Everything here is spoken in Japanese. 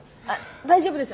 大丈夫です。